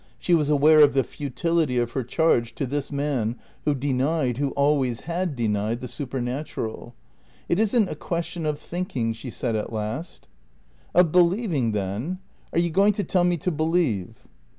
She was aware of the futility of her charge to this man who denied, who always had denied, the supernatural. "It isn't a question of thinking," she said at last. "Of believing, then? Are you going to tell me to believe?"